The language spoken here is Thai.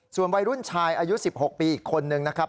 ส่วนวัยรุ่นชายอายุ๑๖ปีอีกคนนึงนะครับ